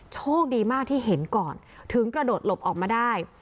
โชคดีมากที่เห็นก่อนถึงกระโดดหลบออกมาได้